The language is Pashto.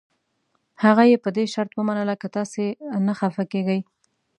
هغه یې په دې شرط ومنله که تاسي نه خفه کېږئ.